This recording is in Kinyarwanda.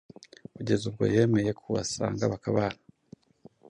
kugeza ubwo yemeye kubasanga bakabana.